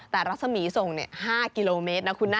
แต่รัศมีร์ส่ง๕กิโลเมตรนะคุณนะ